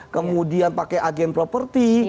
kemudian pakai agen properti